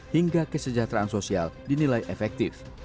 hingga kesejahteraan sosial dinilai efektif